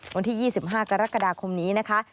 วันที่๒๕กรกฎาคมนี้นะคะ